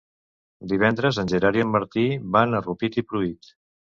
Divendres en Gerard i en Martí van a Rupit i Pruit.